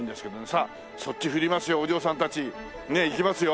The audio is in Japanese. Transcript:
さあそっち振りますよお嬢さんたち。ねえいきますよ。